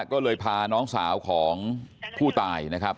ก็เลยพาน้องสาวของผู้ตายนะครับ